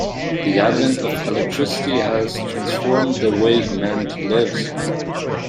The advent of electricity has transformed the way humanity lives.